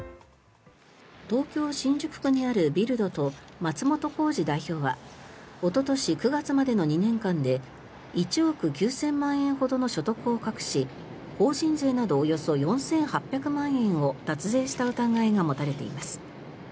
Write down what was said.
東京・新宿区にあるビルドと松本幸二代表はおととし９月までの２年間で１億９０００万円ほどの所得を隠し法人税などおよそ４８００万円を脱税した疑いが持たれています。